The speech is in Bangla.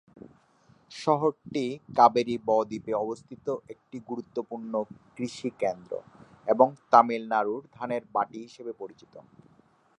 শহরটি কাবেরী বদ্বীপে অবস্থিত একটি গুরুত্বপূর্ণ কৃষি কেন্দ্র এবং তামিলনাড়ুর ধানের বাটি হিসাবে পরিচিত।